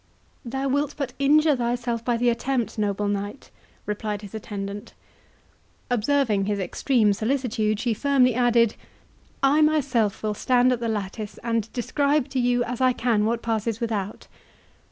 "Thou wilt but injure thyself by the attempt, noble knight," replied his attendant. Observing his extreme solicitude, she firmly added, "I myself will stand at the lattice, and describe to you as I can what passes without."